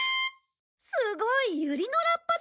すごいユリのラッパだ！